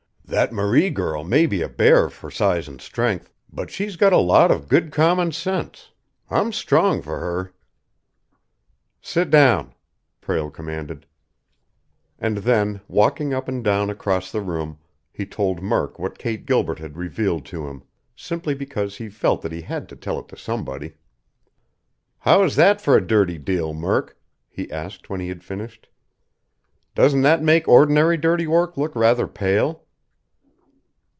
"That Marie girl may be a bear for size and strength, but she's got a lot of good common sense. I'm strong for her!" "Sit down!" Prale commanded. And then, walking up and down across the room, he told Murk what Kate Gilbert had revealed to him, simply because he felt that he had to tell it to somebody. "How is that for a dirty deal, Murk?" he asked when he had finished. "Doesn't that make ordinary dirty work look rather pale?"